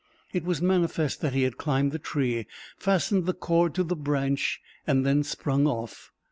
It was manifest that he had climbed the tree, fastened the cord to the branch, and then sprung off.